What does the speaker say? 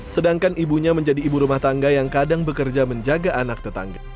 sedangkan ibunya menjadi ibu rumah tangga yang kadang bekerja menjaga anak tetangga